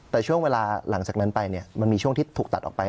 แต่ช่วงเวลาหลังจากนั้นไปเนี่ยมันมีช่วงที่ถูกตัดออกไป